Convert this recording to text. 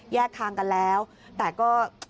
แยกทางกันแล้วแต่ก็